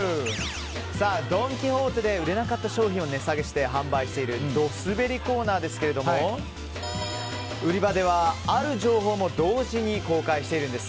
ドン・キホーテで売れなかった商品を値下げして販売しているドすべりコーナーですが売り場では、ある情報も同時に公開しているんです。